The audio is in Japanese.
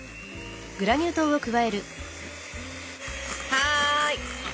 はい。